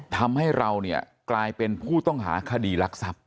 ทำให้เราเนี่ยกลายเป็นผู้ต้องหาคดีรักทรัพย